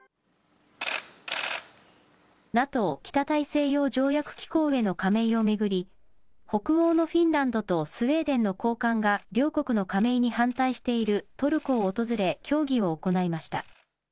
ＮＡＴＯ・北大西洋条約機構への加盟を巡り、北欧のフィンランドとスウェーデンの高官が両国の加盟に反対しているトルコを訪れ協議を行いました。